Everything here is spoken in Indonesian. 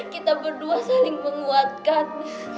kita berdua saling menguatkan